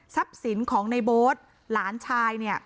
ทรัพย์สินของในโบ๊ทหลานชายเนี้ย